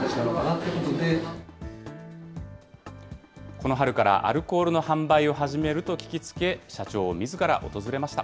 この春から、アルコールの販売を始めると聞きつけ、社長みずから訪れました。